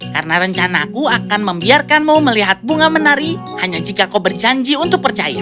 karena rencanaku akan membiarkanmu melihat bunga menari hanya jika kau berjanji untuk percaya